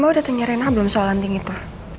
mama udah tanya rina belum soal anting itu